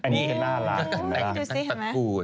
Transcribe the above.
นี่น่ารัก